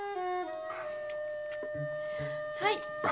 はい。